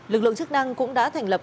lực lượng chức năng cũng đã thành lập